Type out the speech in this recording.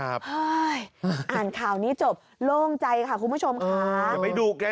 อ่านข่าวนี้จบโล่งใจค่ะคุณผู้ชมค่ะ